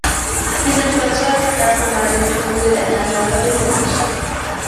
Wir sind überzeugt, dass man beide Methoden miteinander verbinden muss.